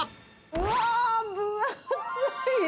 うわー、分厚い！